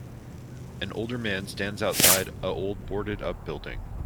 An older man stands outside a old boarded up building.